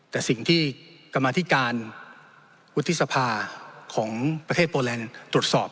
แต่สิ่งที่กรรมธิการวุฒิสภาของประเทศโปรแลนด์ตรวจสอบ